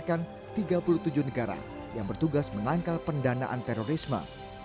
menyediakan tiga puluh tujuh negara yang bertugas menangkal pendanaan terorisme